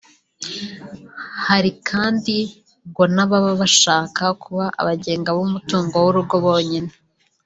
Hari kandi ngo n’ababa bashaka kuba abagenga b’umutungo w’urugo bonyine